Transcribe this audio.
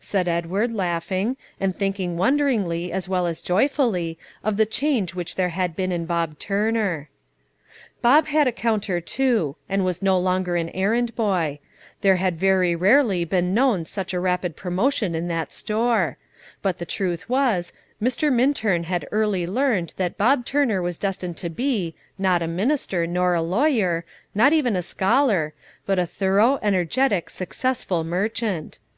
said Edward, laughing, and thinking wonderingly, as well as joyfully, of the change which there had been in Bob Turner. Bob had a counter too, and was no longer an errand boy; there had very rarely been known such a rapid promotion in that store; but the truth was, Mr. Minturn had early learned that Bob Turner was destined to be, not a minister, nor a lawyer, not even a scholar, but a thorough, energetic, successful merchant.